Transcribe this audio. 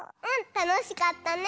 たのしかったね。